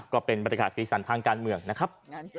ก็เป็นบรรยากาศสีสันทางการเมืองนะครับ